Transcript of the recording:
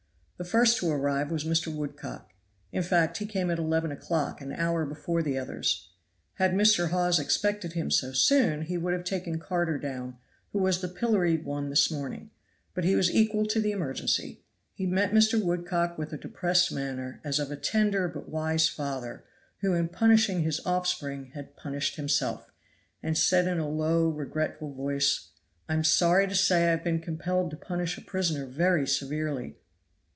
The first to arrive was Mr. Woodcock. In fact he came at eleven o'clock, an hour before the others. Had Mr. Hawes expected him so soon, he would have taken Carter down, who was the pilloried one this morning; but he was equal to the emergency. He met Mr. Woodcock with a depressed manner, as of a tender but wise father, who in punishing his offspring had punished himself, and said in a low, regretful voice, "I am sorry to say I have been compelled to punish a prisoner very severely."